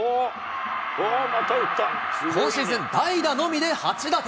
今シーズン、代打のみで８打点。